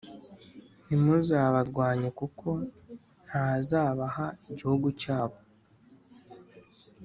ntimuzabarwanye kuko ntazabaha igihugu cyabo,